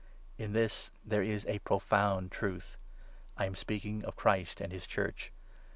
In this there is a profound truth — I am speaking of Christ 32 and his Church.